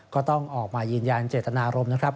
ก็ต้องออกมายืนยันเจตนารมณ์นะครับ